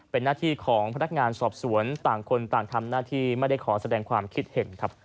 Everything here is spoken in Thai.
เป็นหน้าที่ของพนักงานสอบสวนต่างคนต่างทำหน้าที่ไม่ได้ขอแสดงความคิดเห็นครับ